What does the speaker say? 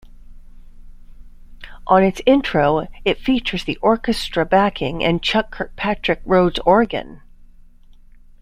On its intro it features the orchestra backing and Chuck Kirkpatrick's Rhodes organ.